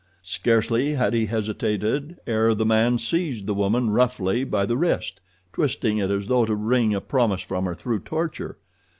Scarcely had he hesitated ere the man seized the woman roughly by the wrist, twisting it as though to wring a promise from her through torture.